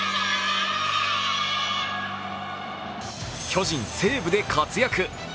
巨人、西武で活躍。